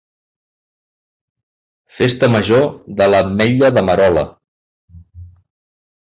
Festa Major de l'Ametlla de Merola.